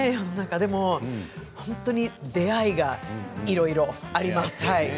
でも本当に、いろいろと出会いがいろいろあります。